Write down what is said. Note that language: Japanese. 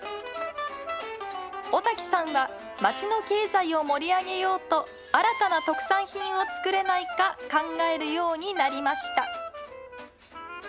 尾崎さんは、町の経済を盛り上げようと、新たな特産品を作れないか考えるようになりました。